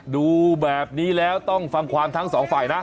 ดูแบบนี้แล้วต้องฟังความทั้งสองฝ่ายนะ